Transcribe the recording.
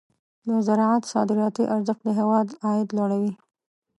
د زراعت صادراتي ارزښت د هېواد عاید لوړوي.